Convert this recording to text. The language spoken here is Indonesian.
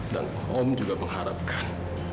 dan om juga mengharapkan